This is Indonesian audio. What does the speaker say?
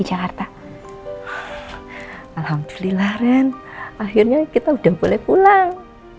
ya udah boleh pulang